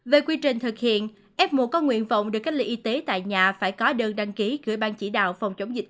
về quy trình thực hiện f một có nguyện vọng được cách ly y tế tại nhà phải có đơn đăng ký gửi ban chỉ đạo phòng chống dịch